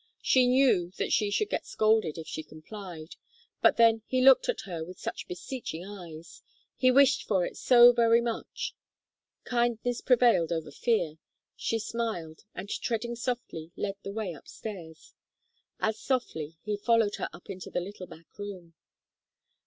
She knew that she should get scolded if she complied; but then, he looked at her with such beseeching eyes he wished for it so very much. Kindness prevailed over fear; she smiled, and treading softly, led the way up stairs. As softly, he followed her up into the little back room.